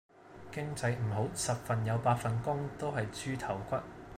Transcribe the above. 經濟唔好十份有八份工都喺豬頭骨